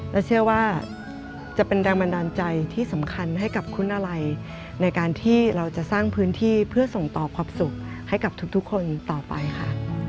และเชื่อว่าจะเป็นแรงบันดาลใจที่สำคัญให้กับคุณอะไรในการที่เราจะสร้างพื้นที่เพื่อส่งต่อความสุขให้กับทุกคนต่อไปค่ะ